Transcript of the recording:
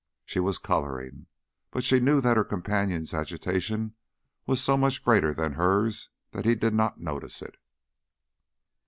She was coloring, but she knew that her companion's agitation was so much greater than hers that he did not notice it.